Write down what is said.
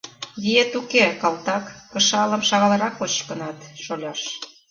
Виет уке, калтак, кышалым шагалрак кочкынат, шоляш.